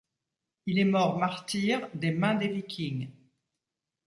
Il est mort martyr des mains des Vikings.